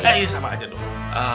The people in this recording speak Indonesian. eh iya sama aja dong